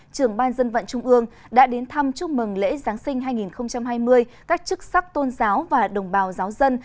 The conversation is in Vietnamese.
trưởng ban dân vận trung ương đã đến thăm chúc mừng lễ giáng sinh hai nghìn hai mươi các chức sắc tôn giáo và đồng bào giáo dân